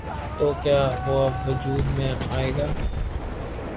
تو کیا وہ اب وجود میں آئے گا؟